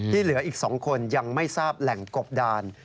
เหลืออีก๒คนยังไม่ทราบแหล่งกบดาน